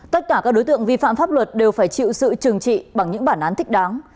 tất cả các đối tượng vi phạm pháp luật đều phải chịu sự trừng trị bằng những bản án thích đáng